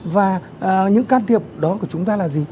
và những can thiệp đó của chúng ta là gì